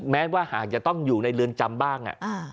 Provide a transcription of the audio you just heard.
แม้ว่าหากจะต้องอยู่ในเรือนจำบ้าง